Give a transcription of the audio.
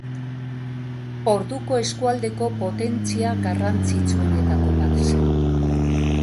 Orduko eskualdeko potentzia garrantzitsuenetako bat zen.